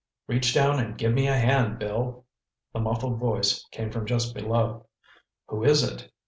"Reach down and give me a hand, Bill!" The muffled voice came from just below. "Who is it?"